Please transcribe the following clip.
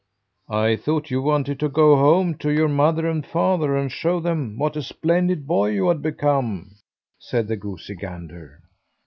"I thought you wanted to go home to your mother and father and show them what a splendid boy you had become?" said the goosey gander.